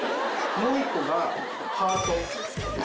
もう一個が、ハート。